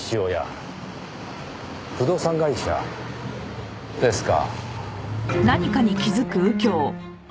不動産会社ですか。